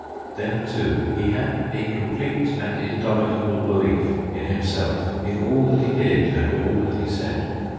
Then, too, he had a complete and indomitable belief in himself, in all that he did and all that he said.